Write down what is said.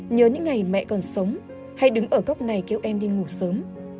nhớ những ngày mẹ còn sống hay đứng ở góc này kéo em đi ngủ sớm